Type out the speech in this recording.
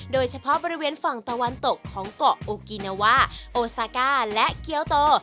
โดยเฉพาะบริเวณฝั่งตะวันตกของเกาะโอกินาวาโอซาก้าและเกียวโต